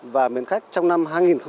và miền khách trong năm hai nghìn hai mươi